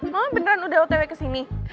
hah beneran udah otw kesini